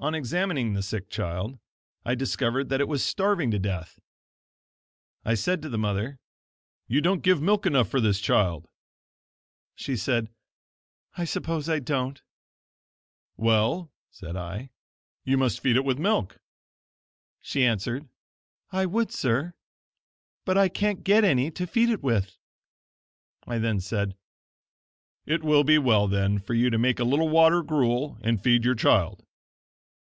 On examining the sick child, I discovered that it was starving to death! I said to the mother: "You don't give milk enough for this child." She said: "I suppose I don't." "Well," said I, "you must feed it with milk." She answered: "I would, sir, but I can't get any to feed it with." I then said: "It will be well, then, for you to make a little water gruel, and feed your child."